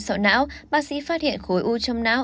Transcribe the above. sọ não bác sĩ phát hiện khối u châm não